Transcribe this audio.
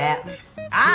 あっ！